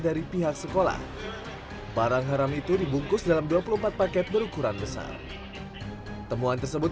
dari pihak sekolah barang haram itu dibungkus dalam dua puluh empat paket berukuran besar temuan tersebut